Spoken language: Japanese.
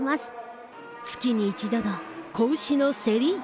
月に一度の子牛の競り市。